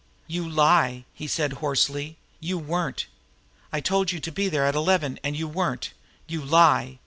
"You lie!" he said hoarsely. "You weren't! I told you to be there at eleven, and you weren't. You lie!